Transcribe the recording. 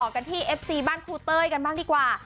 กันที่เอฟซีบ้านครูเต้ยกันบ้างดีกว่า